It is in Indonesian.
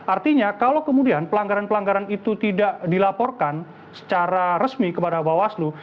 artinya kalau kemudian pelanggaran pelanggaran itu tidak dilaporkan secara resmi kepada bawaslu